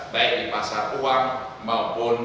baik di pasar uang maupun